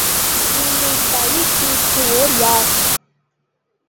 உன்னைப் பழிதூற்றுவோர் யார்?